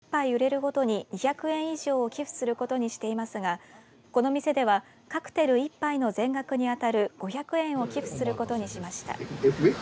それぞれの店でカクテルが１杯売れるごとに２００円以上を寄付することにしていますがこの店ではカクテル１杯の全額にあたる５００円を寄付することにしました。